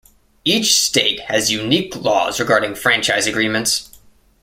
Each state has unique laws regarding franchise agreements.